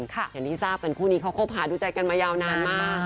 อย่างที่ทราบกันคู่นี้เขาคบหาดูใจกันมายาวนานมาก